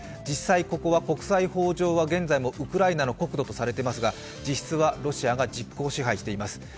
実際、ここは国際法上は現在もウクライナの国土とされていますが実質はロシアが実効支配しています。